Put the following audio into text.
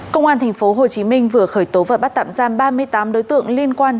công an tp hcm vừa khởi tố và bắt tạm giam ba mươi tám đối tượng liên quan